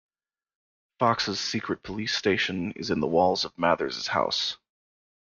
Fox's secret police station is in the walls of Mathers's house.